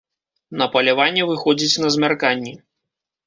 На паляванне выходзіць на змярканні.